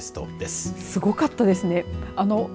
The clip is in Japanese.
すごかったですね。